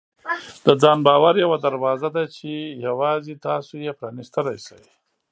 د ځان باور یوه دروازه ده چې یوازې تاسو یې پرانیستلی شئ.